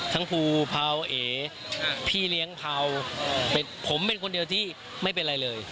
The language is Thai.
ภูเผาเอ๋พี่เลี้ยงเผาผมเป็นคนเดียวที่ไม่เป็นอะไรเลย